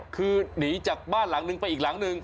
คือหนีจากบ้านหลังนึงไปอีกหลังหนึ่ง